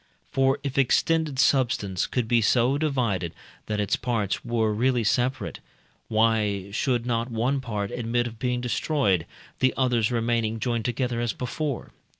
For if extended substance could be so divided that its parts were really separate, why should not one part admit of being destroyed, the others remaining joined together as before?